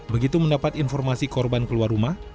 begitu mendapat informasi korban keluar rumah